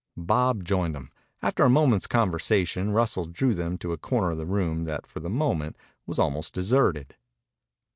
Bob joined them. After a moment's conversation Russell drew them to a corner of the room that for the moment was almost deserted.